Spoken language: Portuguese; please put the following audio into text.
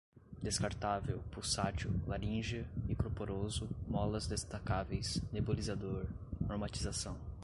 descartável, pulsátil, laríngea, microporoso, molas destacáveis, nebulizador, normatização